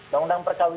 dan undang perkahwinan